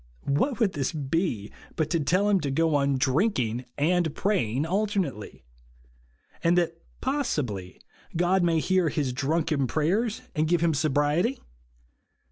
What would this be but to tell him to go on drinking and praying alternately ; and that, possibly, God may hear his drunken prayers, and give him sobriety